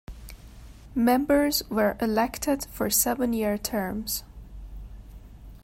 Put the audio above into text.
Members were elected for seven-year terms.